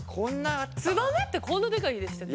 ツバメってこんなでかいんでしたっけ？